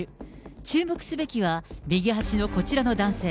注目すべきは、右端のこちらの男性。